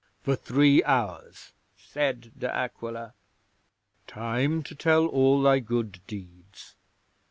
'"For three hours," said De Aquila. "Time to tell all thy good deeds.